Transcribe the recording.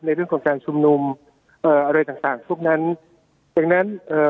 ในเรื่องของการชุมนุมเอ่ออะไรต่างต่างพวกนั้นดังนั้นเอ่อ